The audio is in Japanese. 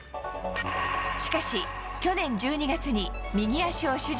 しかし、去年１２月に右足を手術。